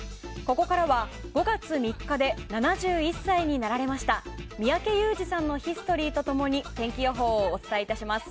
ここからは５月３日で７１歳になられました三宅裕司さんのヒストリーと共に天気予報をお伝え致します。